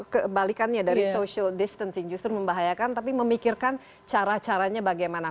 kebalikannya dari social distancing justru membahayakan tapi memikirkan cara caranya bagaimana